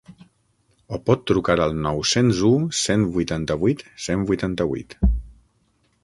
O pot trucar al nou-cents u cent vuitanta-vuit cent vuitanta-vuit.